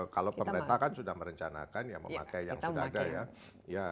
kalau pemerintah kan sudah merencanakan ya memakai yang sudah ada ya